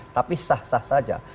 tapi sah sah saja